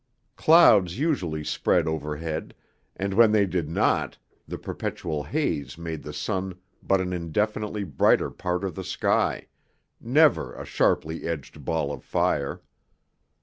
Clouds usually spread overhead, and when they did not, the perpetual haze made the sun but an indefinitely brighter part of the sky, never a sharply edged ball of fire.